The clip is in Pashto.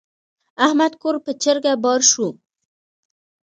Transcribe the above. د احمد کور پر چرګه بار شو.